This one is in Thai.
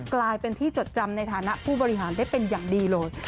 กลายเป็นที่จดจำในฐานะผู้บริหารได้เป็นอย่างดีเลย